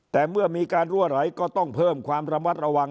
แต่เมื่อมีการรั่วไหลก็ต้องเพิ่มความระมัดระวัง